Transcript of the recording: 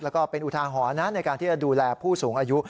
แล้วก็เป็นอุทาหรณ์นะในการที่จะดูแลผู้สูงอายุ